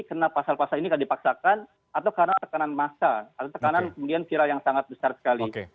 karena pasal pasal ini tidak dipaksakan atau karena tekanan massa atau tekanan kemudian viral yang sangat besar sekali